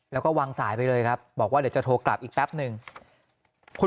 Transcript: แล้วก็วางสายไปเลยครับบอกว่าเดี๋ยวจะโทรกลับอีกแป๊บหนึ่ง